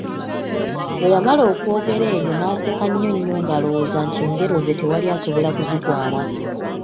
Bwe yamala okwogera ebyo n'aseka nnyo nnyo ng'alwooza nti engero ze tewali asobola kuzitwala.